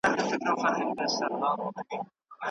نوی سياست تر پخواني سياست ډېر پرمختللی دی.